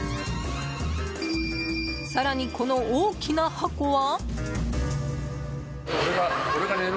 更に、この大きな箱は？